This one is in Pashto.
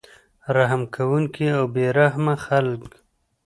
رحم کوونکي او بې رحمه خلک